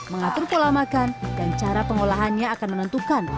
mengatur pola makan dan cara pengolahannya akan menentukan